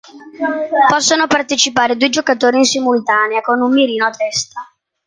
Possono partecipare due giocatori in simultanea, con un mirino a testa.